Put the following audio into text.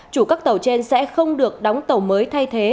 chủ các tàu trên sẽ không được đóng tàu mới thay thế